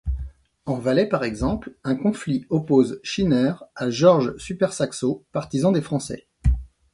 En Valais, par exemple, un conflit oppose Schiner à Georges Supersaxo, partisan des Français.